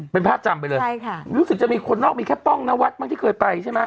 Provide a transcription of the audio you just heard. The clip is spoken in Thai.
เป็นภาพจำไปเลยใช่ค่ะรู้สึกจะมีคนนอกมีแค่ป้องนวัดบ้างที่เคยไปใช่ไหม